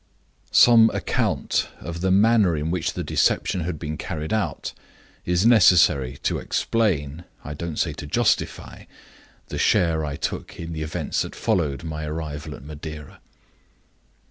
"Some account of the manner in which the deception had been carried out is necessary to explain I don't say to justify the share I took in the events that followed my arrival at Madeira.